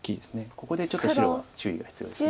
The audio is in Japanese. ここでちょっと白は注意が必要です。